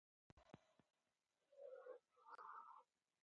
جنرال راسګونوف او څو تنه نور روسان یې پرېښودل.